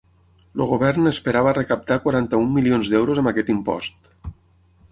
El govern esperava recaptar quaranta-un milions d’euros amb aquest impost.